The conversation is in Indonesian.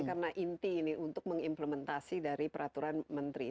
karena inti ini untuk mengimplementasi dari peraturan menteri